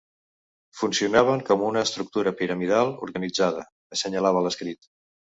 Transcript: Funcionaven com una “estructura piramidal organitzada”, assenyalava l’escrit.